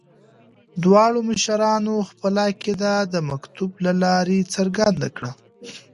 دواړو مشرانو خپله عقیده د مکتوب له لارې څرګنده کړې.